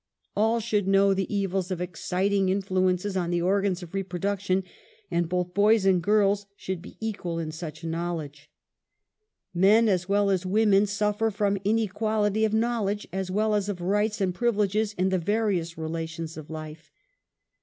All should know the evils of exciting influences on the organs of reproduction, and both boys and girls should be equal in such knowledge. Men as Avell as women sufter from inequality of knowledge as well as of rights and privileges in the various relations of life.